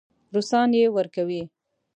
روسان یې ورکوي.